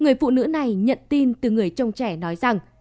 người phụ nữ này nhận tin từ người trông trẻ nói rằng